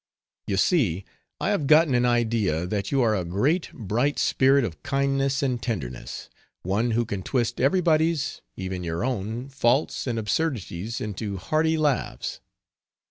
You see I have gotten an idea that you are a great, bright spirit of kindness and tenderness. One who can twist everybody's even your own faults and absurdities into hearty laughs.